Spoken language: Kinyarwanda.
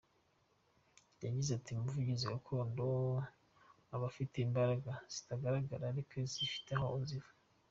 Yagize ati “Umuvuzi gakondo aba afite imbaraga zitagaragara, ariko zifite aho ziva.